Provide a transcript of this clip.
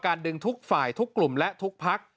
ดึงทุกฝ่ายทุกกลุ่มและทุกพัก